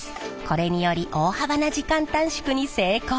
これにより大幅な時間短縮に成功。